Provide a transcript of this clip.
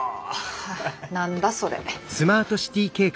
何だそれ。